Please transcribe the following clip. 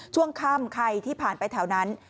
ช่วงค่ำใครที่ผ่านไปแถวนั้น